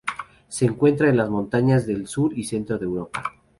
Se encuentra en las montañas del sur y centro de Europa.